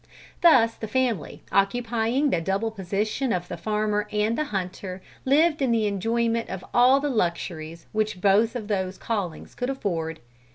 Thus the family, occupying the double position of the farmer and the hunter, lived in the enjoyment of all the luxuries which both of those callings could afford.